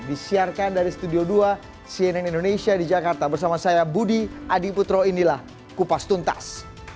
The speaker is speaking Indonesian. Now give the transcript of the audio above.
disiarkan dari studio dua cnn indonesia di jakarta bersama saya budi adiputro inilah kupas tuntas